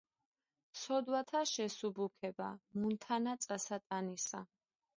ცოდვათა შესუბუქება, მუნ თანა წასატანისა.